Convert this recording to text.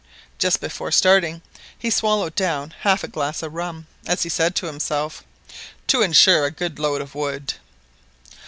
Just before starting he swallowed down half a glass of rum, as he said, "to insure a good load of wood."